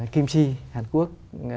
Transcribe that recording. kimchi hàn quốc